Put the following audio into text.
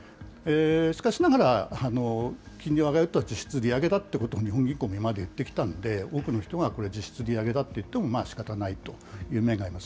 しかしながら、金利を上げるとは実質利上げだということを日本銀行も今まで言ってきたんで、多くの人が実質利上げだといっても、まあしかたないという面があります。